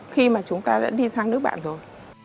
khi mà chúng ta đã đi sang nước bạn rồi